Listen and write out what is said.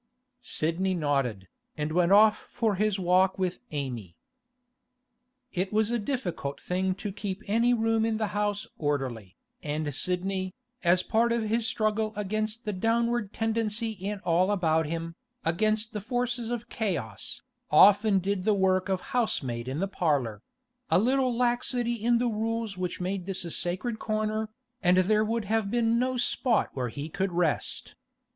Sidney nodded, and went off for his walk with Amy. ... It was a difficult thing to keep any room in the house orderly, and Sidney, as part of his struggle against the downward tendency in all about him, against the forces of chaos, often did the work of housemaid in the parlour; a little laxity in the rules which made this a sacred corner, and there would have been no spot where he could rest.